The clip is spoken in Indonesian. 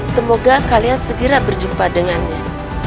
semoga kalian segera berjumpa dengannya